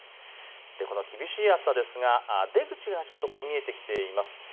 この厳しい暑さですが出口がちょっと見えてきています。